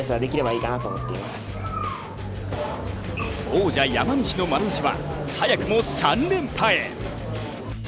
王者・山西のまなざしは早くも３連覇へ。